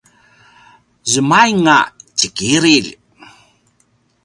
zemaing a tjikililj